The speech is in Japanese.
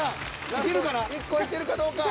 ラスト１個いけるかどうか。